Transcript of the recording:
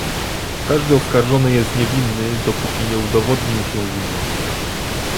każdy oskarżony jest niewinny dopóki nie udowodni mu się winy